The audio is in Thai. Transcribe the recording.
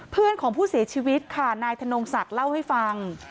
เพื่อนของผู้เสียชีวิตค่ะนายธนงศักดิ์เล่าให้ฟัง